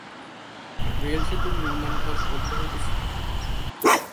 Rail সেতুর নির্মাণ কাজ অব্যাহত ছিল।